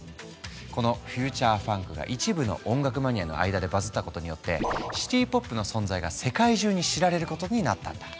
このフューチャーファンクが一部の音楽マニアの間でバズったことによってシティ・ポップの存在が世界中に知られることになったんだ。